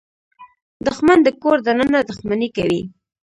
دښمن د کور دننه دښمني کوي